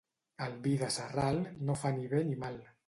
El vi de Sarral no fa ni bé ni mal.